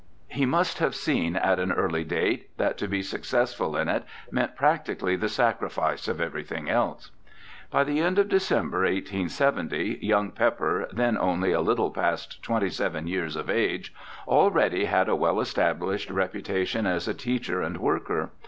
He must have seen at an early date that to be successful in it meant practically the sacrifice of everything else. By the end of December, 1870, young Pepper, then only a little past twenty seven years of age, already had a well established reputation as a teacher and worker.